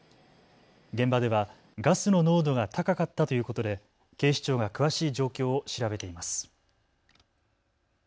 現場ではガスの濃度が高かったということで警視庁が詳しい状況を調べています。